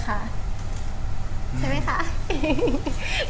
ใช่มั้ยค่ะ